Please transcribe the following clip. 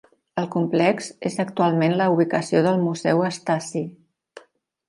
El complex és actualment la ubicació del museu Stasi.